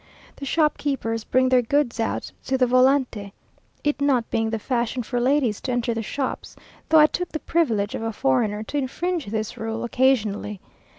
The shop keepers bring their goods out to the volante, it not being the fashion for ladies to enter the shops, though I took the privilege of a foreigner to infringe this rule occasionally.